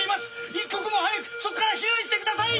一刻も早くそこから避難してください！